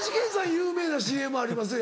有名なＣＭありますよ